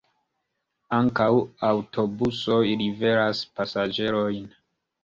Ankaŭ aŭtobusoj liveras pasaĝerojn.